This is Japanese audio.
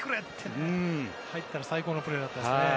入ったら最高のプレーでしたね。